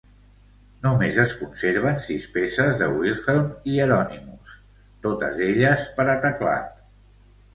Només es conserven sis peces de Wilhelm Hieronymus, totes elles per a teclat.